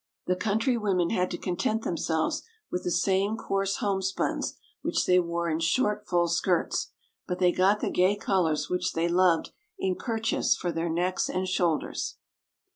The country women had to content themselves with the same coarse homespuns, which they wore in short, full skirts. But they got the gay colours which they loved in kerchiefs for their necks and shoulders.